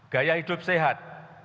gaya hidup sehat